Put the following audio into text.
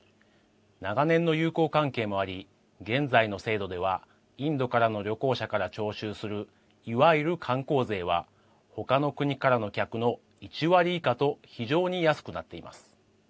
長年の友好関係もあり現在の制度ではインドからの旅行者から徴収するいわゆる観光税は他の国からの客の１割以下と非常に安くなっています。